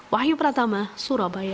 wahyu pratama surabaya